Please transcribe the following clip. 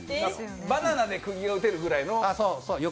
バナナでくぎを打てるぐらいの？